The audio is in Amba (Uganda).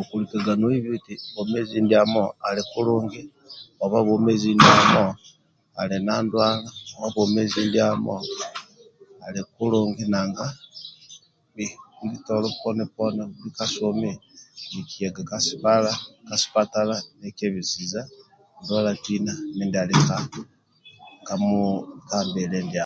Okulikaga no ibi eti bwomezi ndiamo ali kulungi oba bwomezi ndiamo ali na ndwala oba bwomezi ndiamo ali kulungi nanga buli tolo poni poni buli kasumi nikiyaga nikebesiza ndwala ndia ali ka muhu ka mbili ndiamo